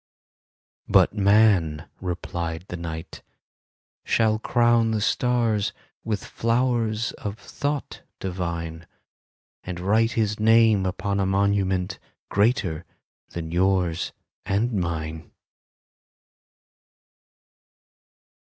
"But man," replied the Night, "shall crown the stars With flowers of thought divine, And write his name upon a monument Greater than yours and mine."